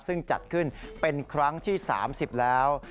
ซึ่งจัดขึ้นเป็นครั้งที่๓๐แล้ว